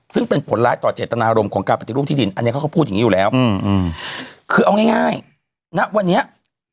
ผู้ร้องทุกข์กล่าวโทษว่า